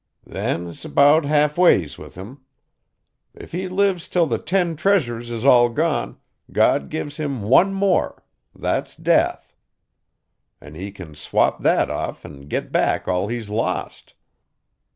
Then 's 'bout half ways with him. If he lives till the ten treasures is all gone, God gives him one more thet's death. An' he can swop thet off an' git back all he's lost.